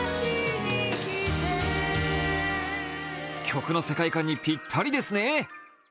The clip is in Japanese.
曲の世界観にぴったりですね。